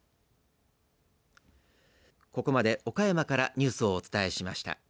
ここまで岡山からニュースをお伝えしました。